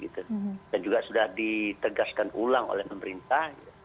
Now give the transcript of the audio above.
dan juga sudah ditegaskan ulang oleh pemerintah